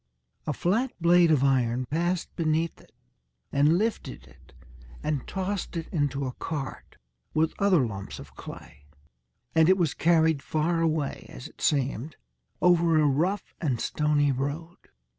A flat blade of iron passed beneath it, and lifted it, and tossed it into a cart with other lumps of clay, and it was carried far away, as it seemed, over a rough and stony road.